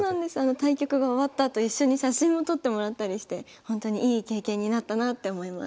対局が終わったあと一緒に写真も撮ってもらったりしてほんとにいい経験になったなって思います。